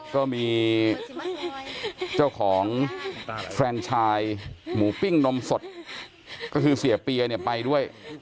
ก็มีเจ้าของแฟนชายหมูปิ้งนมสดก็คือเสียเปียเนี่ยไปด้วย